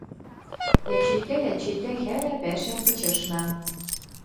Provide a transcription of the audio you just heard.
Ячейка ячейка хӓлӓ пӓшӓм кычышна.